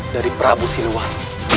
dari prabu silwar